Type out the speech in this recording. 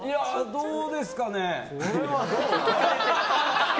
どうですかね。